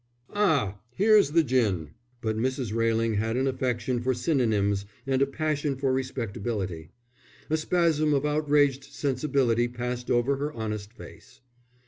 "Ah, here is the gin!" But Mrs. Railing had an affection for synonyms and a passion for respectability. A spasm of outraged sensibility passed over her honest face.